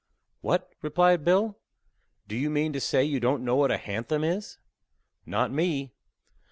"What," replied Bill, "do you mean to say you don't know what a hanthem is?" "Not me."